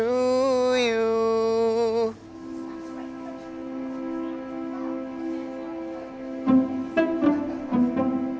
selamat ulang tahun